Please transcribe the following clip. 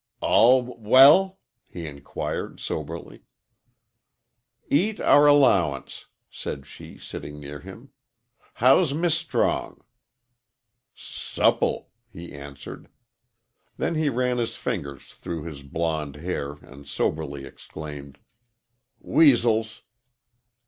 "All w well?" he inquired, soberly. "Eat our allowance," said she, sitting near him. "How's Miss Strong?" "S supple!" he answered. Then he ran his fingers through his blond hair and soberly exclaimed, "Weasels!"